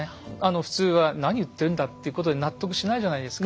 普通は何言ってんだっていうことで納得しないじゃないですか。